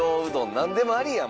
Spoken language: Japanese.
何でもありやん